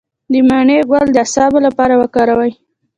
د مڼې ګل د اعصابو لپاره وکاروئ